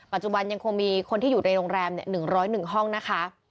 ยังคงมีคนที่อยู่ในโรงแรม๑๐๑ห้องนะคะ